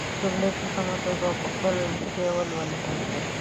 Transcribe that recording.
جملې په سمه توګه او په خپله لهجه ېې ولولئ ملګرو!